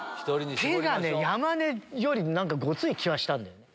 手がね山根よりごつい気はしたんだよね。